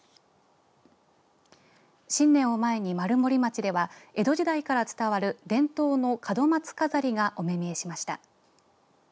新年を前に丸森町では江戸時代から伝わる伝統の門松飾りがお目見えしました。